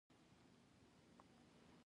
د مدرسو مصارف ولس ورکوي